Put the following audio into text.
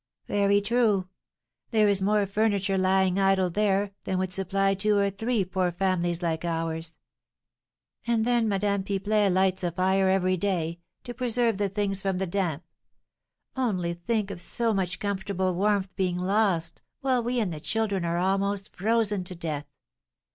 "Very true; there is more furniture lying idle there than would supply two or three poor families like ours. And then Madame Pipelet lights a fire every day, to preserve the things from the damp. Only think of so much comfortable warmth being lost, while we and the children are almost frozen to death!